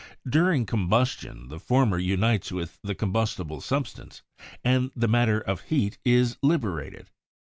During combustion the former unites with the combustible substance, and the matter of heat is liberated.